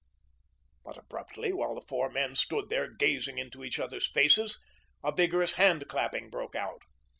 But abruptly, while the four men stood there, gazing into each other's faces, a vigorous hand clapping broke out.